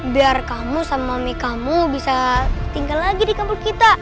biar kamu sama mie kamu bisa tinggal lagi di kampung kita